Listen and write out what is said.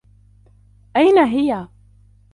أين هي ؟